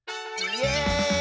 イエーイ！